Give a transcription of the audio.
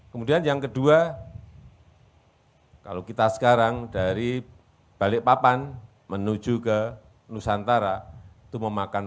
kemudian yang kedua kalau kita sekarang dari balikpapan menuju ke nusantara itu memakan